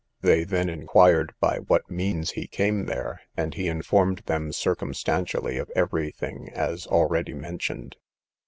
They then inquired by what means he came there; and he informed them circumstantially of every thing as already mentioned.